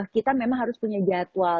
kita memang harus punya jadwal